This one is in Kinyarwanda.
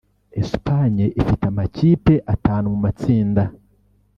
Espagne ifite amakipe atanu mu matsinda